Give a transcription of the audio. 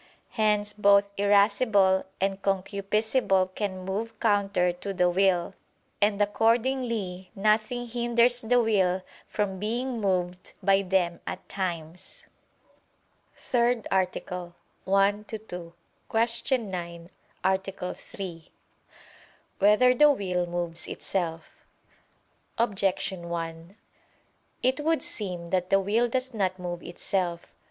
Hence both irascible and concupiscible can move counter to the will: and accordingly nothing hinders the will from being moved by them at times. ________________________ THIRD ARTICLE [I II, Q. 9, Art. 3] Whether the Will Moves Itself? Objection 1: It would seem that the will does not move itself.